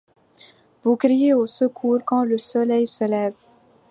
Vous criez au secours quand le soleil se lève.